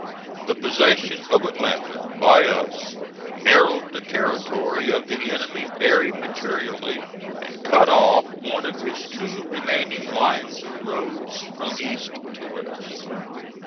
The possession of Atlanta by us narrowed the territory of the enemy very materially and cut off one of his two remaining lines of roads from east to west.